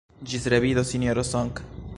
Ĝis revido, Sinjoro Song.